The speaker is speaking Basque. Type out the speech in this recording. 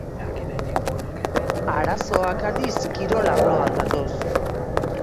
Arazoak, aldiz, kirol arloan datoz.